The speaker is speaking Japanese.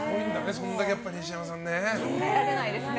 それだけ西山さんね。